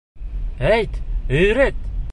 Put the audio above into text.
Әйт, өйрәт!